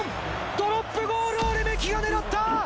ドロップゴールをレメキが狙った！